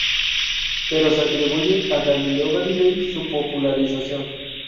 Pero se atribuye a Galileo Galilei su popularización.